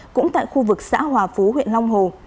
cũng tại khu vực xã hòa phú huyện long hồ